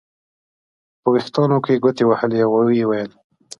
په وریښتانو کې یې ګوتې وهلې او ویې ویل.